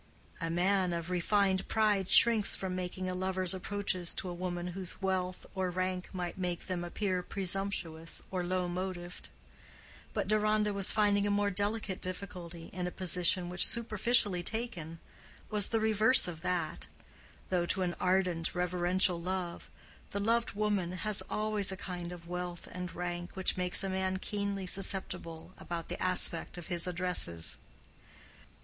A man of refined pride shrinks from making a lover's approaches to a woman whose wealth or rank might make them appear presumptuous or low motived; but Deronda was finding a more delicate difficulty in a position which, superficially taken, was the reverse of that—though to an ardent reverential love, the loved woman has always a kind of wealth and rank which makes a man keenly susceptible about the aspect of his addresses.